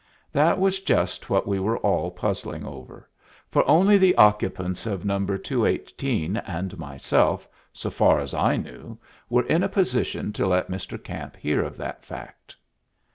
That was just what we were all puzzling over, for only the occupants of No. 218 and myself, so far as I knew, were in a position to let Mr. Camp hear of that fact.